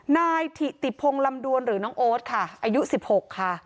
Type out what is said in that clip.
นายถิติพงศ์ลำดวนหรือน้องโอ๊ตค่ะอายุ๑๖ค่ะ